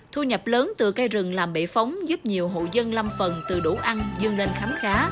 thu nhập lớn từ cây rừng làm bệ phóng giúp nhiều hộ dân lâm phần từ đủ ăn dương lên khám khá